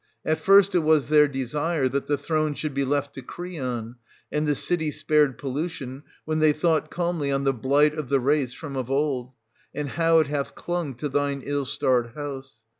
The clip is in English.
At first it was their desire that the throne should be left to Creon, and the city spared pollution, when they thought calmly on the blight of the race from of old, 370 and how it hath clung to thine ill starred house.